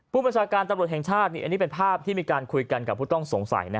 ประชาการตำรวจแห่งชาติอันนี้เป็นภาพที่มีการคุยกันกับผู้ต้องสงสัย